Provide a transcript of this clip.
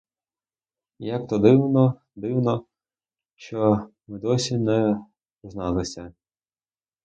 І як то дивно, дивно, що ми досі не зналися!